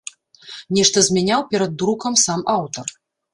Нешта змяняў перад друкам сам аўтар.